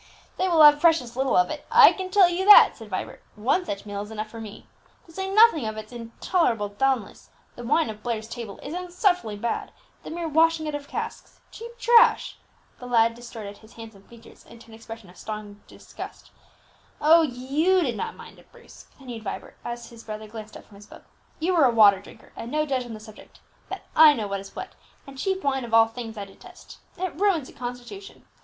"They will have precious little of it, I can tell you that," said Vibert; "one such meal is enough for me. To say nothing of its intolerable dulness, the wine of Blair's table is insufferably bad, the mere washing out of casks, cheap trash!" the lad distorted his handsome features into an expression of strong disgust. "Oh, you did not mind it, Bruce," continued Vibert, as his brother glanced up from his book; "you are a water drinker and no judge on the subject, but I know what is what, and cheap wine of all things I detest. It ruins the constitution.